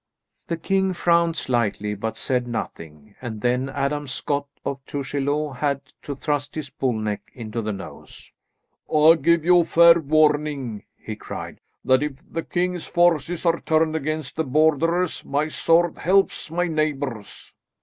The king frowned slightly but said nothing, and then Adam Scott of Tushielaw had to thrust his bull neck into the noose. "I give you fair warning," he cried, "that if the king's forces are turned against the Borderers, my sword helps my neighbours."